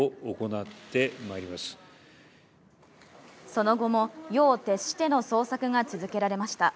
その後も夜を徹しての捜索が続けられました。